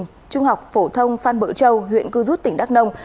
học sinh lớp một mươi trung học phổ thông phan bỡ châu huyện cư rút tỉnh đắk nông